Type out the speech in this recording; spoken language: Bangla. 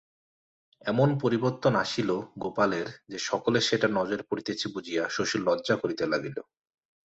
এমন পরিবর্তন আসিল গোপালের যে সকলের সেটা নজরে পড়িতেছে বুঝিয়া শশীর লজ্জা করিতে লাগিল।